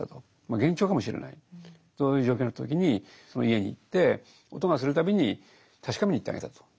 幻聴かもしれないそういう状況になった時にその家に行って音がする度に確かめにいってあげたと。